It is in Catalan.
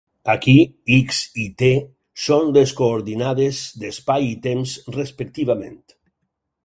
Aquí "x" i "t" són les coordinades d'espai i temps, respectivament.